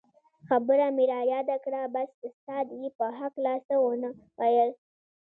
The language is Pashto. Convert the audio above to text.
خبره مې رایاده کړه بس استاد یې په هکله څه و نه ویل.